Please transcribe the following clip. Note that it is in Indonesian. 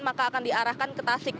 maka akan diarahkan ke tasik